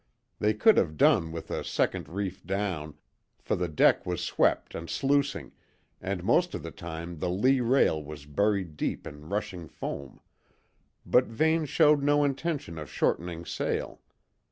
They could have done with a second reef down, for the deck was swept and sluicing, and most of the time the lee rail was buried deep in rushing foam; but Vane showed no intention of shortening sail.